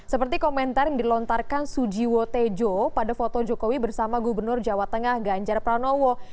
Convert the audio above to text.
seperti komentar yang dilontarkan sujiwo tejo pada foto jokowi bersama gubernur jawa tengah ganjar pranowo